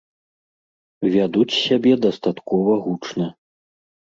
Вядуць сябе дастаткова гучна.